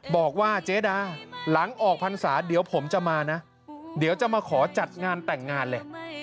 บอกว่าเจดาหลังออกพรรษาเดี๋ยวผมจะมานะเดี๋ยวจะมาขอจัดงานแต่งงานเลย